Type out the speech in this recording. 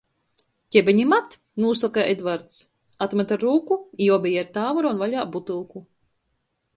"Kebenimat!" nūsoka Edvarts, atmat ar rūku, i obeji ar tāvu raun vaļā butylku.